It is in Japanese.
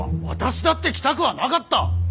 私だって来たくはなかった！